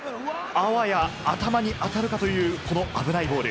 あわや頭に当たるかという、この危ないボール。